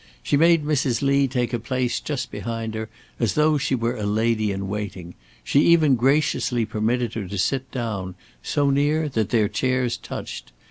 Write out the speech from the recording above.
She made Mrs. Lee take a place just behind her as though she were a lady in waiting. She even graciously permitted her to sit down, so near that their chairs touched.